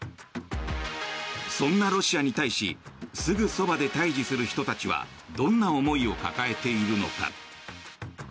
そんなロシアに対しすぐそばで対峙する人たちはどんな思いを抱えているのか。